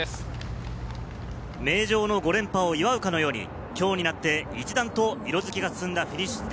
名城の５連覇を祝うかのように、今日になって一段と色づきが進んだフィニッシュ地点。